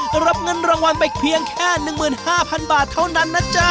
รับเงินรางวัลไปเพียงแค่๑๕๐๐๐บาทเท่านั้นนะจ๊ะ